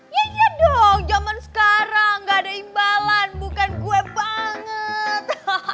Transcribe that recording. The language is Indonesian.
nyejek dong zaman sekarang gak ada imbalan bukan gue banget